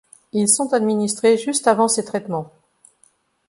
Ils sont administrés juste avant ces traitements.